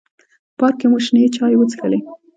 پارک کې مو شنې چای وڅښلې.